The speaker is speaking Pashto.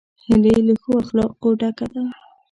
هیلۍ له ښو اخلاقو ډکه ده